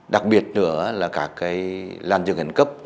đặc biệt nữa là các cái lan dương hình cấp